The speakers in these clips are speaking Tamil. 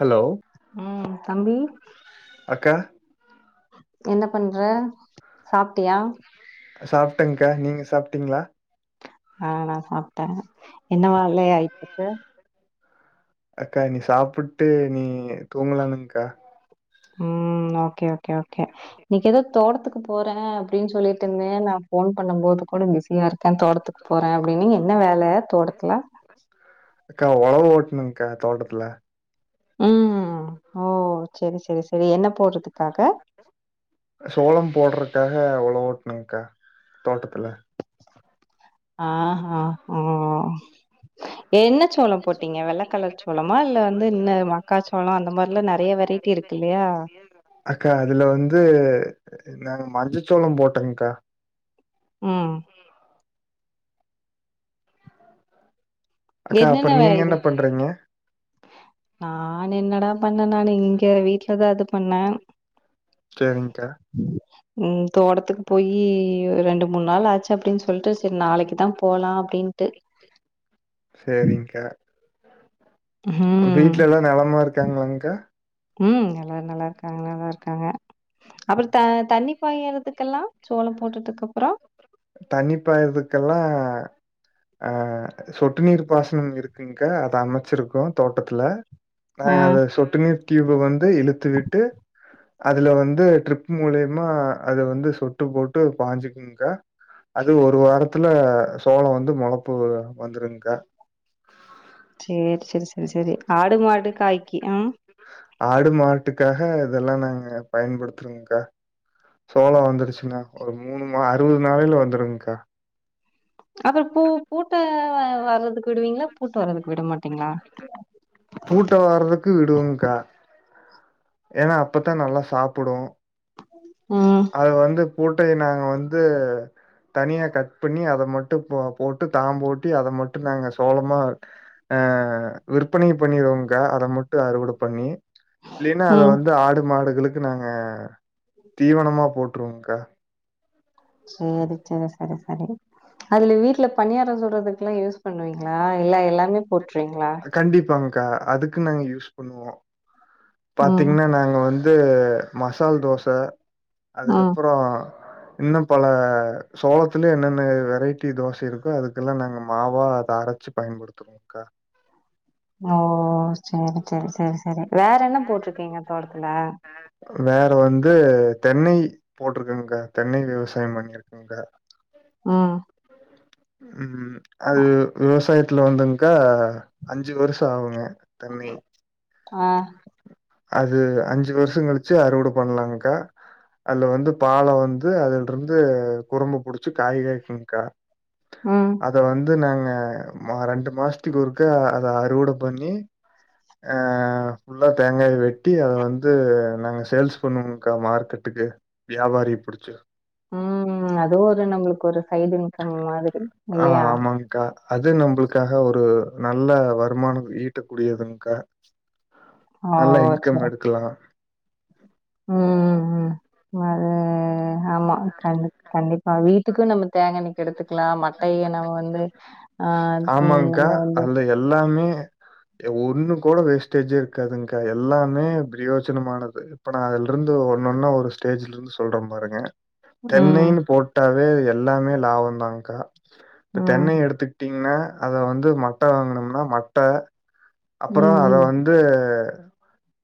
ஹலோ உம் தம்பி அக்கா என்ன பண்ற சாப்ட்டியா சாப்ட்டங்க்கா நீங்க சாப்ட்டீங்ளா ஆ நா சாப்ட்டே என்ன வேலயா இப்பக்கு அக்கா இனி சாப்புட்டு நீ தூங்கலானுங்கா உம் ஓகே ஓகே ஓகே இன்னிக்கு ஏதோ தோட்டத்துக்கு போறே அப்டின் சொல்லிட்டுருந்தே நா ஃபோன் பண்ணும் போது கூட பிஸியா ருக்கே தோட்டத்துக்கு போறே அப்டின்னீங்க என்ன வேல தோட்டத்துல அக்கா ஒழவு ஓட்டணுக்கா தோட்டத்துல ம் ஓ செரி செரி செரி என்ன போட்றதுக்காக சோளம் போட்றக்காக ஒழவு ஓட்டுனங்க்கா தோட்டத்துல ஆஹ் ஒ ஒ என்ன சோள போட்டீங்க வெள்ள கலர் சோளமா இல்ல வந்து இன்ன மக்காச்சோள அந்த மாரில நெறய வெரை ட்டி இருக்கு இல்லயா அக்கா அதுல வந்து நாங்க மஞ்சசோள போட்டோங்க்கா ம் அக்கா அப்றோ என்னென்ன வே- நீங்க என்ன பண்றீங்க நானு என்னடா பண்ண நானு இங்க வீட்லதா அது பண்ண செரிங்க்கா ம் தோட்டத்துக்கு போய் ரெண்டு மூண் நாள் ஆச்சு அப்டின் சொல்ட்டு செரி நாளைக்குதா போலா அப்டின்ட்டு செரிங்க்கா உங்க ம். வீட்ல எல்லா நெலமா இருக்காங்களாங்க்கா ம் எல்லாரு நல்லாருக்காங்க நல்லாருக்காங்க அப்றோ த தண்ணி பாயறதுக்கெல்லா சோள போட்டதுக்கப்றோ தண்ணி பாய்றதுக்கெல்லா ஆ சொட்டு நீர் பாசனம் இருக்குங்க்கா அத அமைச்சிருக்கோ தோட்டத்துல ஆ நாங்க அத சொட்டு நீர் ட்யூப வந்து இழுத்து விட்டு அதுல வந்து ட்ரிப் முலியமா அது வந்து சொட்டு போட்டு பாஞ்சுக்குங்க்கா அது ஒரு வாரத்துல சோள வந்து முளப்பு வந்துருங்க்கா சேரி சேரி சேரி சரி ஆடு மாடு காய்க்கு ஆ ஆடு மாட்டுக்காக இதெல்லா நாங்க பயன்படுத்துறோங்க்கா சோள வந்துருச்சுனா ஒரு மூணு மா அறுவது நாளில வந்துடுங்கா அப்றோ பூ பூட்ட வ வர்றதுக்கு விடுவீங்களா பூட்டு வர்றதுக்கு விடமாட்டீங்களா பூட்ட வர்றதுக்கு விடுவங்க்கா ஏன்னா அப்பத்தா நல்லா சாப்புடு ம் அத வந்து பூட்டைய நாங்க வந்து தனியா கட் பண்ணி அத மட் டு போ போட்டு தாம் போட்டி அத மட்டு நாங்க சோளமா அ விற்பனை பண்ணிடுவங்கா அத மட்டு அறுவடை பண்ணி இல்லினா அத ம். வந்து ஆடு மாடுகளுக்கு நாங்க தீவனமா போட்ருவோங்கா சேரி சரி சரி சரி அதுல வீட்ல பணியார சுடுறதுக்குலா யூஸ் பண்ணுவீங்களா இல்ல எல்லாமே போற்றுவீங்களா கண்டிப்பாங்கா அதுக்கு நாங்க யூஸ் பண்ணுவோ ம், பாத்தீங்கன்னா நாங்க வந் து மசால் தோச ம். அதுக்கப்பறோ இன்னு பல சோளத்துலய என்னென்ன வெரைட்டி தோச இருக்கோ அதுக்கெல்லா நாங்க மாவா அத அர ச்சு பயன்படுத்துவோங்க்கா ஓ செரி செரி செரி செரி வேற என்ன போட்ருக்கீங்க தோட்டத்துல வேற வந்து தென்னை போட்ருக்காங்க்கா தென்னை விவசாய பண்ணிருக்காங்க்கா ம் ம் அது விவ விவசாயத்துல வந்துங் க்கா அஞ்சு வருஷோ ஆகுங்க தென்னை ஆ அது அஞ்சு வருஷ கழிச்சு அறுவட பண்ணலாங்கா அது வந்து பாலு வந்து அதுலருந்து குறும்பு புடிச்சி காய் காய்க்கும் கா உ அத வந்து நாங்க மா ரெண்டு மாசத்துக்கு ஒருக்க அத அறுவடை பண்ணி ஆ ஃபுல்லா தேங்காய வெட்டி அத வந்து நாங்க சேல்ஸ் பண்ணுவோங்கா மார்க்கெட்டுக்கு வியாபாரி புடிச்சு உ அதுவு ஒரு நம்மளுக்கு ஒரு சைட் இன்கம் மாதிரி இல்லயா கா அது நம்மளுக்காக ஒரு நல்ல வருமானோ ஈட்டக்கூடியதுன்கா [inaudible] நல்ல இன்கம் எடுக்கலா உ உ அது ஆமா கண் கண்டிப் ஆ வீட்டுக்கு நம்ம தேங்கண்ணெய்க்கு எடுத்துக்கலா மட்டைய நம்ம வந்து ஆ உ நம்ம ஆமாங்க்கா. வந்து அதுல எல்லாமே ஏ ஒண்ணு கூட வேஸ்டேஜே இருக்காதுங்கா எல்லாமே பிரயோஜனமானது இப்ப நா அதுலருந்து ஒன்னுன்னா ஒரு ஸ்டேஜ்ல இருந்து சொல்றே பாருங்க ம், தென்னைன்னு போட்டாவே எல்லாமே லாபம்தாக்கா இப்ப ம், தென்னை எடுத்துக்கிட்டீங்கன்னா அத வந்து மட்ட வாங்னம்னா மட்ட அப்றோ அத ம், வந்து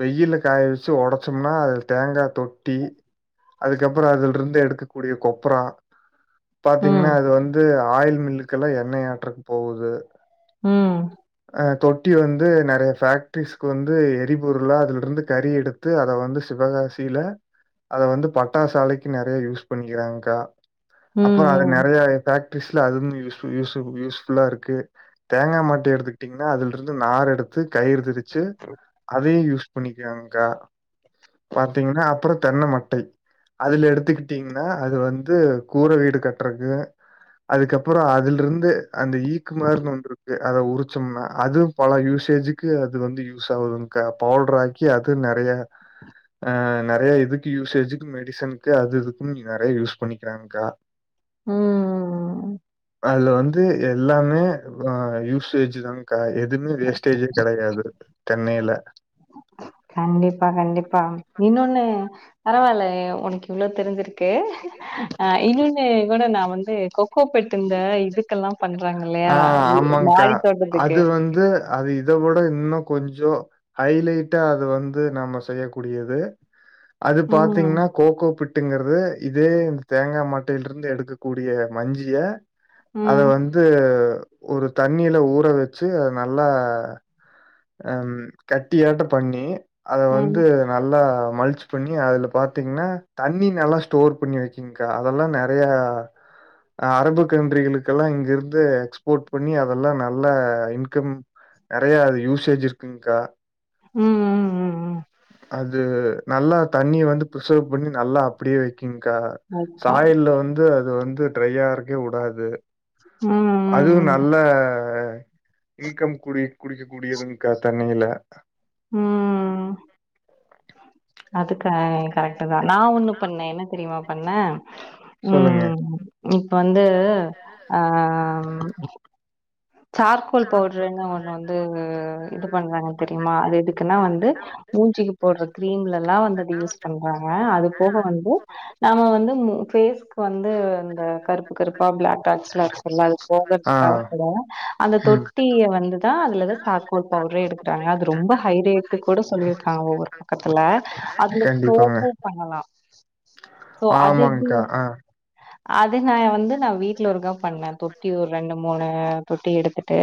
வெயில்ல காய வச்சு உடைச்சோம்னா அது தேங்கா தொட்டி அதுக்கப்றோ அதுல இருந்து எடுக்கக்கூடிய கொப்ரா ம், பாத்தீங்கன்னா ம், அது வந்து ஆயில் மில்லுக்குல்லா எண்ணெய ஆற்றதுக்கு போகுது உ அ தொட்டி வந்து நெறைய ஃபேக்ட்ரிசுக்கு வந்து எரிபொருளா அதுலருந்து கறி எடுத் த்து அத வந்து சிவகாசியில அத வந்து பட்டாசாலைக்கு நெறைய யூஸ் பண்ணிக்கிறாங்க்கா ம், அப்றோ அது ம், நெறைய பேக்டரிஸ்ல அது யூசு யூஸ் யூஸ்ஃபுல்லா இருக்கு தேங்காய் மட் எடுத்துக்கிட்டிங்னா அதுல இருந்து நார் எடுத்து கயிறு தெறிச்சு அதயும் யூஸ் னிகங்காக்கா பாத்தீங்கன்னா அப்றோ தென்ன மட்டை அதுல எடுத்துக்கிட்டீங்கன்னா அது வந்து கூரை வீடு கட்டுறக்கு அதுக்கப்றோஅதுல இருந்து அந்த ஈக்குமாருனு வந்திருக்கு அத உரிச்சோம்னா அது பல யூசேஜுக்கு அது வந்து யூஸ் ஆகுதுகா பவுடர் ஆக்கி அது நெறைய ஆ நிறைய இதுக்கு யூசேஜுக்கு மெடிசனுக்கு அது இதுக்கு நீ நிறைய யூஸ் பண்ணிக்கிறாங்க்கா ம். அது வந்து எல்லாமே ஆ யூசேஜ் தான்க்கா எதுவுமே வேஸ்டேஜே கிடையாது தென்னையில கண்டிப்பா கண்டிப்பா இன்னொன்னு பரவாயில்ல உனக்கு இவ்வளோ தெரிஞ்சிருக்கு ஆ இன்னொன்னு கூட நா வந்து கோப்பட்டு இதுக்கெல்லா பண்றாங்க ஆ இல்லையா ஆமாங்க்கா. மாறி தோட்டத்துக்கு அது வந்து அது இதை விட இன்னு கொஞ்சோ ஹைலைட்டா அது வந்து நம்ம செய்யக்கூடியது அது ம், பாத்தீங்கன்னா கோகோ பிட்டு ட்டுங்கிறது இதே இந்த தேங்காய் மாட்டையில இருந்து எடுக்கக்கூடிய மஞ்சிய அத ம், வந்து ஒரு தண்ணியில ஊற வச்சு அது நல்லா ஆ கட்டியாட்டம்பண்ணி அத ம், வந்து ம், நல்லா மலிச்சு பண்ணி அதுல பாத்தீங்கன்னா தண்ணி நல்லா ஸ்டோர் பண்ணி வைக்கீங்கா அதெல்லா நெறைய அரபு கண்ட்ரிகளுக்கெல்லா இங்கிருந்து எக்ஸ்போர்ட் பண்ணி அதெல்லா நல்லா இன்கம் நெறைய அது யூசேஜ் இருக்குங்க்கா ம் ம் ம் ம் அது நல்லா தண்ணிய வந்து பிரிசர்வ் பண்ணி நல்லா அப்டியே வக்கிங்க்கா வைக்கோம். சாயல்ல வந்து அது வந்து ட்ரையா இருக்கவே வுடாது ம் அதுவு ம், நல்ல இன்கம் குடி குடிக்க கூடியதுங்க்கா தென்னையில ம் ம் அது க கரெக்ட்டு தா நா ஒண்ணு பண்ணே என்ன தெரியுமா பண்ணே சொல்லுங்க. ம் இப்ப வந்து அ சார்கோல் பவுட்ருன்னு ஒண்ணு வந்து இது பண்றாங்க தெரியுமா அது எதுக்குன்னா வந்து மூஞ்சிக்கு போட்ற கிரீம்லல்லா வந்து அது யூஸ் பண்றாங்க அது போக வந்து நாம வந்து மூ ஃபேஸ்க்கு வந்து இந்த கருப்பு கருப்பா பிளாக் டாட்ஸ்லா இருக்குல அது போகறதுக்கு ஆ காக கூட அந்த ம் தொட்டிய வந்துதா அதுல தா சாக்கோல் பவுட்ரே எடுக்குறாங்க அது ரொம்ப ஹை ரேட்டு கூட சொல்லிருக்காங்க ஒவ்வொரு பக்கத்துல அதுல கண்டிப்பாங்க சோப்பு பண்ணலா சோ அது எப்டி ஆமாங்க்கா ஆ அது நா வந்து நா வீட்ல ஒருக்கா பண்ணே தொட்டி ஒரு ரெண்டு மூணு தொட்டி எடுத்து ட்டு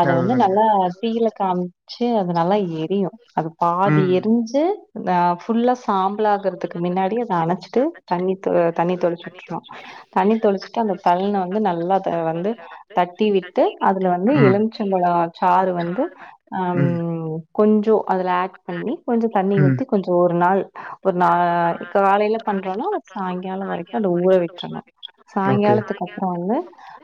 அத வந்து நல்லதுங்க நல்லா தீயில காமி ச்சு அது நல்லா எரியு அது பாதி ம் எரிஞ்சு த ஃபுல்லா சாம்பலாகறதுக்கு மின்னாடி அத அணச்சுட்டு தண்ணி தொ தண்ணி தொளிச்சுட்றுவா தண்ணி தொளிச்சுட்டு அந்த தள்ன வந்து நல்லா அத வந்து தட்டி விட் அதுல வந்து ம் எலுமிச்சம்பழோ சாறு வந்து ம் கொஞ்சோ அதுல ஆட் பண்ணி கொஞ்சோ தண்ணி ம் ஊத்தி கொஞ்சோ ஒரு நாள் ஒரு நா காலேல பண்றோனா ஒரு சாங்காலோ வரைக்கு அந்த ஊற விட்றணு ஓகே சாங்காலத்துக்கு அப்பறோ வந்து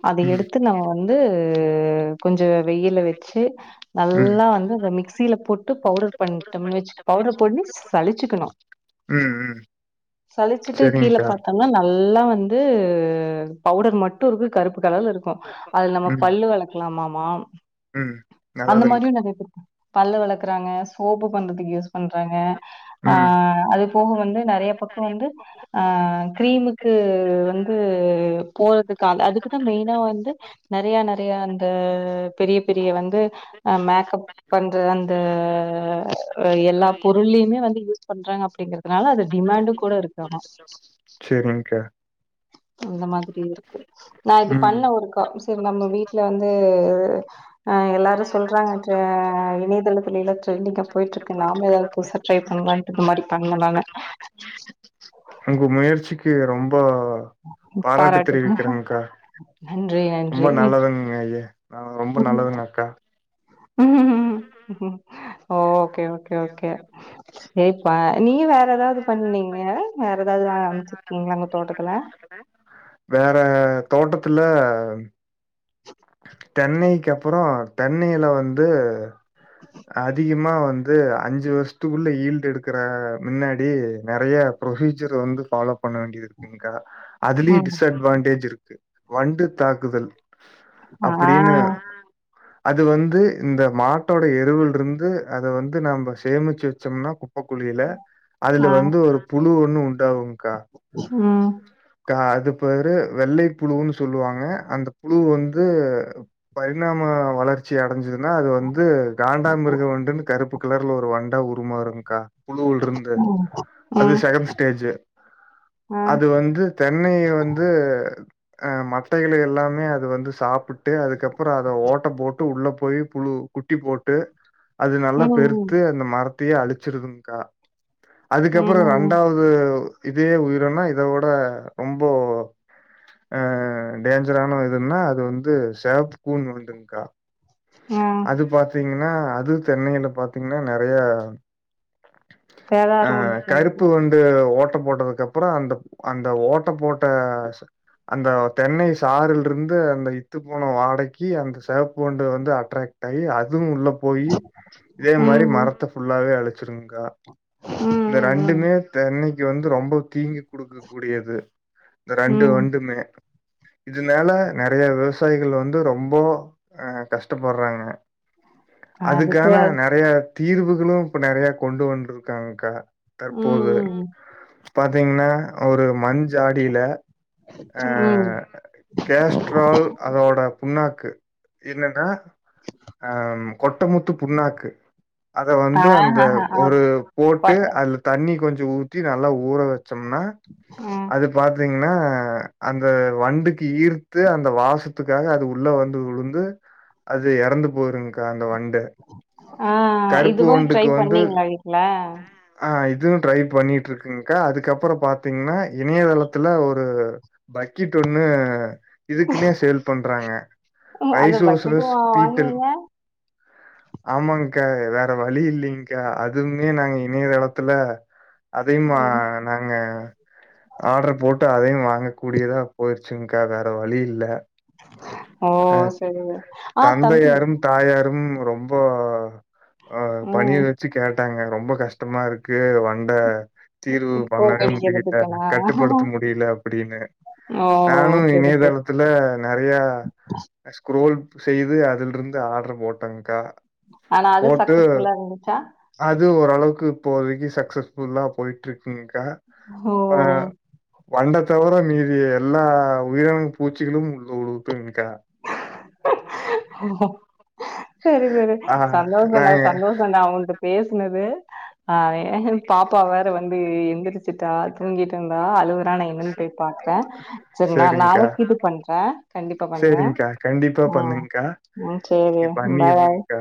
அத ம் எடுத்து நம்ம வந்து து கொஞ்சோ வெயில்ல வச்சு ம் நல்லா வந்து அத மிக்சில போட்டு பவுடர் பண்டம்னு வச்சு பவுடர் பண்ணி சலுச்சுக்கணு ம் ம் சலிச்சுட்டு கீழ செரிங்க்கா பாத்தா னா நல்லா வந்து பவுடர் மட்டு இருக்கு கருப்பு கலர்ல இருக்கு அது நம்ம ம் பல்லு வெளக்கலாமாமா ம் அந்த நல்லதுங்க்கா மாரியு நெறைய பேர் பல்லு வெளக்குறாங்க சோப்பு பண்றதுக்கு யூஸ் பண்றாங்க ஆ ம் அது போக வந்து நெறைய பக்கோ வந்து ஆ கிரீமுக்கு வந்து போறதுக்காக அதுக்குதா மெயினா வந்து நெறையா நெறையா அந்த பெரிய பெரிய வந்து அ மேக்கப் பண்ற அந்த எல்லா பொருள்ளயுமே வந்து யூஸ் பண்றாங்க அப்டிங்கறது னால அது டிமாண்டு கூட இருக்குதாமா செரிங்க்கா அந்த மாதிரி நா இது ம் பண்ணே ஒருக்கா சரி நம்ம வீட்ல வந்து அ எல்லாரு சொல்றாங்கன்ற இனையதளத்துலேலா ட்ரெண்டிங்கா போயிட்ருக்கு நாம எதாவது புதுசா ட்ரை பண்லான்ட்டு இந்த மாரி பண்ணே நானு உங்க முயற்சிக்கு ரொம்ப பாராட்டு பாராட்டுங்க தெரிவிக்கிறேங்க்கா நன்றி ரொம்ப நன்றி நல்லதுங் கய்யே ஆ ரொம்ப நல்லதுங்க அக்கா ஓகே ஓகே ஓகே சேர்ப்பா நீங்க வேற ஏதாவது பண்ணீங்க வேற ஏதாவது அம்ச்சு இருக்கீங்ளாங்க தோட்டத்துல வேற தோட்டத்துல தென்னைக்கப்புறோ தென்னைல வந்து அதிகமா வந்து அஞ்சு வர்ஷத்துக்குள்ள ஈல்டு எடுக்கற முன்னாடி நறைய ப்ரொசீஜர் வந்து ஃபாலோ பண்ண வேண்டியத் இருக்குங்கா அதுலயு ம். டிஸ்அட்வான்டேஜ் இருக்கு வண்டு தாக்குதல் ஆ, அப்புடின்னு அது வந்து இந்த மாட்டோட எருவுல் இருந்து அத வந்து நம்ப சேமிச்சு வெச்சோம்னா ஓக்குழில அதுல ஆ, வந்து ஒரு புழு ஒன்னு உண்டாகுங்கா ம் கா அது பேரு வெள்ளை புழுன்னு சொல்லுவாங்க அந்த புழு வந்து பரிணாம வளர்ச்சி அடஞ்சது ன்னா அது வந்து காண்டா மிருக வண்டுன்னு கருப்பு கலர் ஒரு வண்டா உருமாறுங்கா புழுலருந்து து ம், அது ம், செகண்ட் ஸ்டேஜு ஆ, அது வந்து தென்னைய வந்து அ மட்டைகளயெல்லாமே அது வந்து சாப்புட்டு அதுக்கப்புறோ அத ஓட்ட போட்டு உள்ள போய் புழு குட்டி போட்டு அது நல்லா ம், பெருத்து அந்த மரத்தையே அழிச்சிருதுமங்கா ம், அதுக்கப்பறோ ம் ரெண்டாவ்து உ இதே உயிரினோ இத உட ரொம்போ அ டேஞ்சரான இதுன்னா அது வந்து செவப்பு கூன் வண்டுங்கா ஆ. அது பாத்தீங்கனா அது தென்னைல பாத்தீங்கன்னா நறைய ஆ சேதாரம் உண்டு பண்ணுது. கருப்பு வந் உ ஓட்ட போட்டதுக்கப்புறோ அந்த அந்த ஓட்ட போட்ட அந்த தென்னை சாரல்ருந்து அந்த இத்துப்போன வாடைக்கி அந்த செவப்பு வண்டு வந்து அட்ரக்ட் ஆயி அதுவு உள்ள போய் இதே மாரி ம், மரத்த ஃபுல்லாவே அழிச் திருங்கா ம், இந்த ம், ம். ரெண்டுமே தென்னைக் வந்து ரொம்ப தீங்கு குடுக்க கூடியது இந்த ரெண்டு ம். வண்டுமே இதுனால நறைய விவசாயிகள் வந்து ரொம்போ அ கஷ் பாட்டுபாட்றாங்க அதுக்கு அதுக்கான அது நறைய தீர்வுகளு இப்ப நறைய கொண்டு வந்துருக்காங்கக்கா ம், தற்போது ம், பாத்தீங்னா ஒரு மண் ஜாடில ம் கேஸ்ட்ரால் அதோட புண்ணாக்கு என்னன்னா அ கொட்டமுத்து புண்ணாக்கு அத வந்து அந்த ஆஹஹ. ஒரு ஓகே. போட்டு கொட்ட. அதுல தண்ணி கொஞ்சோ ஊத்தி நல்லா ஊற வெச் சொன்னா ம். அது பாத்தீங்கன்னா அந்த வண்டுக் ஈர்த்து அந்த வாசத்துக்காக அது உள்ள வந்து விழுந்து அது எறந்து போய்ருங்க்கா அந்த வண்டு ஆ கருப்பு இதுமாரி ட்ரை வண்டுக்கு வந்து பண்ணீங்ளா வீட்ல ஆ இதுவு ட்ரை பண்ணிட்ருக்கங்க்கா அதுக்கப்புறோ பாத்தீங்கனா இணையதளத்துல ஒரு பக்கெட் ஒன்னு இதுக்குன்னே சேல் பண்றாங்க ம் அந்த ரைஸ் பக்கெட்டு சோசரஸ் வா பீட்டல் [inaudible] ஆமாங்கா வேற வழி இல்லிங்கா அதுமே நாங்க இணையதளத்துல அதையுமா ம் நாங்க ஆர்டெர் போட்டு அதையும் வாங்க கூடியதா போயிருச்சுங்க்கா வேற வழி இல்ல ஓ அ செரிங்க தந்தையாரும் தாயாரும் ரொம்போ அ பணிய ம் வச்சு கேட் ட்டாங்க ரொம்ப கஷ்டமாருக்கு வண்ட தீர்வு பண்ணவே முடியில போகடிக்கிறதுக்குனா கட்டுப்படுத்த முடியில அப்புடின்னு ஓ சரி சரி த்துல நறைய ஸ்க்ரோல் செய்து அதுல இருந்து ஆர்ட்ரு போட்டேங்க்கா ஆனா அது சக்சஸ்ஃபுல்லா இருந்துச்சா அது ஓரளவுக்கு இப்போதைக்கி சக்சஸ்ஃபுல்லா போயிட்டுருக்குங்க்கா ஹோ வண்ட தவர மீதி எல்லா உயிரின பூச்சிகளும் உள்ள உளுவுதுங்க்கா சரி சரி ஆ சந்தோஷொனா நாங்க சந்தோஷொ நா உன்ட பேசினது ஆ பாப்பா வேற வந்து எந்திரிச் சிட்டா தூங்கிட்ருந்தா அழுவுரா நா என்னன் போய் பாக்குறே சரி நா சரிங்க்கா நாளைக்கி இது பண்றே கண்டிப்பா பண்றே சரிங்க்கா கண்டிப்பா ம் பண்ணுங்கா ம் சரி நீ பாய் பண்ணிரனு பாய் கா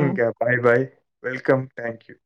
ம் பாய் பாய் வெல்கம் தேங்க்யூ